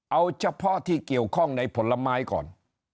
เอาเฉพาะที่เกี่ยวข้องในผลไม้ก่อน